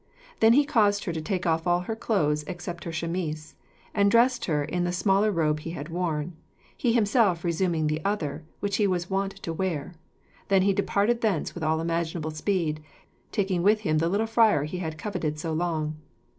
Then he caused her to take off all her clothes except her chemise, and dressed her in the smaller robe he had worn, he himself resuming the other, which he was wont to wear; then he departed thence with all imaginable speed, taking with him the little friar he had coveted so long.